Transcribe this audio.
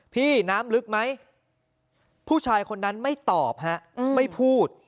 พี่น้ำลึกไหมผู้ชายคนนั้นไม่ตอบฮะไม่พูด